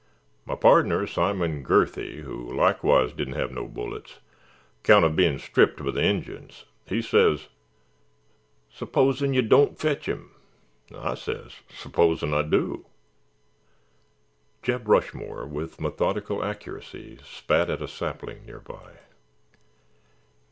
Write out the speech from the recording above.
My pardner, Simon Gurthy, who likewise didn't hev no bullets, 'count uv bein' stripped b' the Injins, he says, 'S'posin' ye don't fetch him.' 'N' I says, 'S'posin' I do.'" Jeb Rushmore, with methodical accuracy, spat at a sapling near by.